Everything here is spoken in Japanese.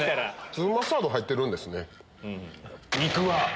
粒マスタード入ってるんですね。